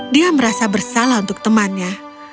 dia merasa bersalah untuk temannya